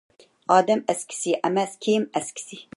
ئادەم ئەسكىسى ئەمەس، كىيىم ئەسكىسى.